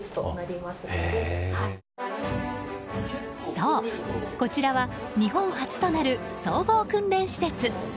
そう、こちらは日本初となる総合訓練施設。